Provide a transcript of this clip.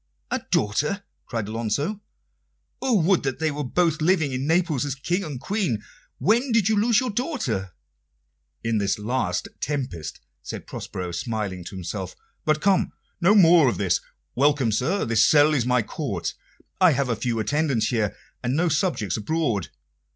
"A daughter?" cried Alonso. "Oh, would that they were both living in Naples as King and Queen! When did you lose your daughter?" "In this last tempest," said Prospero, smiling to himself. "But come, no more of this. Welcome, sir; this cell is my court. I have few attendants here, and no subjects abroad.